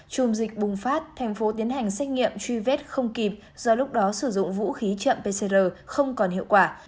chùm dịch bùng phát thành phố tiến hành xét nghiệm truy vết không kịp do lúc đó sử dụng vũ khí chậm pcr không còn hiệu quả